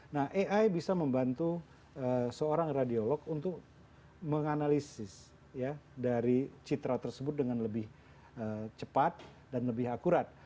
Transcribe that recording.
nah ai bisa membantu seorang radiolog untuk menganalisis dari citra tersebut dengan lebih cepat dan lebih akurat